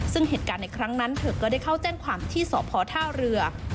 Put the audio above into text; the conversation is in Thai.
ซึ่งเหตุการณ์ในครั้งนั้นเธอก็ได้เข้าแจ้งความที่สพท่าเรือ